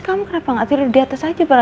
kamu kenapa gak tidur di atas aja